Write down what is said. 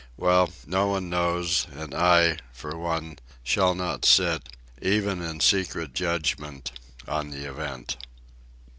Well, no one knows, and I, for one, shall not sit, even in secret judgment, on the event.